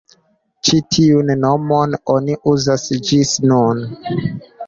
Ĉi tiun nomon oni uzas ĝis nun.